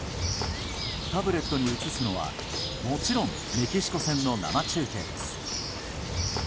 タブレットに映すのはもちろんメキシコ戦の生中継です。